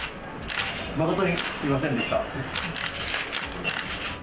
誠にすみませんでした。